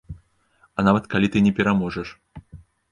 А нават калі ты і не пераможаш.